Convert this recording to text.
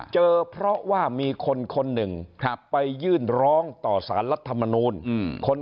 เจอเพราะว่ามีคนคนหนึ่งไปยื่นร้องต่อสารรัฐมนูล